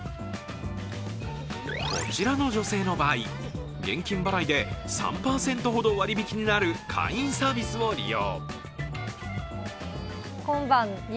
こちらの女性の場合、現金払いで３％ほど割引になる会員サービスを利用。